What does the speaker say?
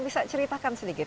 bisa ceritakan sedikit